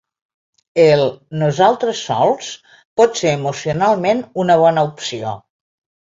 El “nosaltres sols” pot ser emocionalment una bona opció.